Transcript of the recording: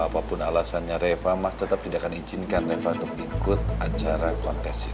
apapun alasannya reva tetap tidak akan izinkan reva untuk ikut acara kontes ini